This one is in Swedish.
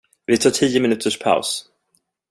Vi tar tio minuters paus!